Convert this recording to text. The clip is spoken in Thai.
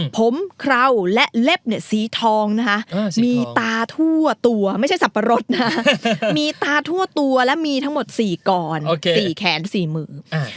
ผมเข้าและเล็บสีทองมีตาทั่วตัวไม่ใช่สับปะรดมีตาทั่วตัวและมีทั้งหมดสี่ก่อนสี่แขนสี่มือ